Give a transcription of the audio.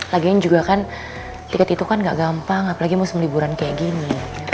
lagian juga kan tiket itu kan gak gampang apalagi musim liburan kayak gini